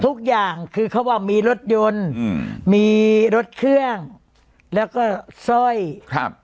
ทุกอย่างคือเขาว่ามีรถยนต์อืมมีรถเครื่องแล้วก็สร้อยครับ